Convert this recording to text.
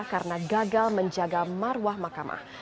karena gagal menjaga marwah mahkamah